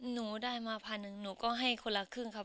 หนูได้มาพันหนึ่งหนูก็ให้คนละครึ่งครับ